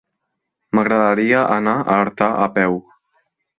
M'agradaria anar a Artà a peu.